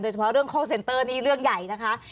เฉพาะเรื่องคอลเซ็นเตอร์นี่เรื่องใหญ่นะคะ